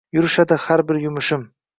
Yurishadi xar bir yumushim